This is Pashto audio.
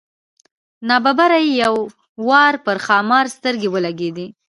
نا ببره یې یو وار پر ښامار سترګې ولګېدې.